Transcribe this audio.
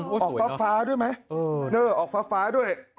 ออกฟ้าด้วยไหมออกฟ้าด้วย